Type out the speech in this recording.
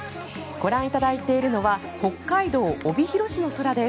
ご覧いただいているのは北海道帯広市の空です。